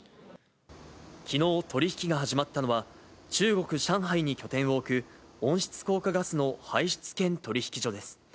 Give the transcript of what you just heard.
きのう、取り引きが始まったのは、中国・上海に拠点を置く、温室効果ガスの排出権取り引き所です。